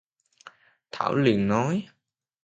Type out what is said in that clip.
Thảo liền nói